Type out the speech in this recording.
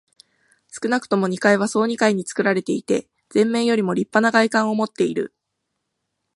少なくとも二階は総二階につくられていて、前面よりもりっぱな外観をもっている。